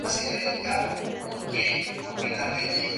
Es Internacional por la selección de Liberia.